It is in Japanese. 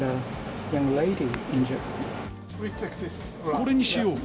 これにしよう。